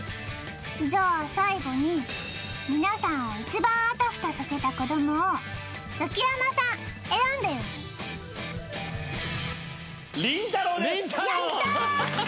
じゃあ最後に皆さんを一番あたふたさせたこどもをザキヤマさん選んでよやった！